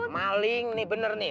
maling nih bener nih